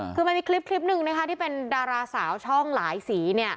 คือมันมีคลิปหนึ่งนะคะที่เป็นดาราสาวช่องหลายสี